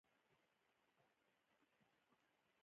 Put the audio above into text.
پولې یې د استعمار پیداوار ګاڼه.